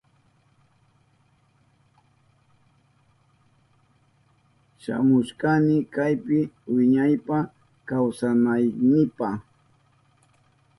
Shamushkani kaypi wiñaypa kawsanaynipa.